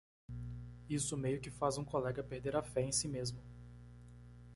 Isso meio que faz um colega perder a fé em si mesmo.